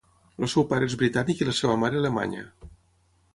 El seu pare és britànic i la seva mare, alemanya.